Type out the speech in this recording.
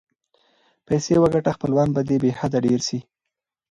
پیسې وګټه خپلوان به دې بی حده ډېر سي.